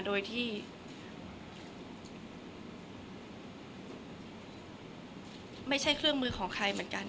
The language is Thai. คนเราถ้าใช้ชีวิตมาจนถึงอายุขนาดนี้แล้วค่ะ